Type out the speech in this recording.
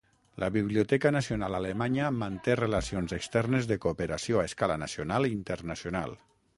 La Biblioteca Nacional Alemanya manté relacions externes de cooperació a escala nacional i internacional.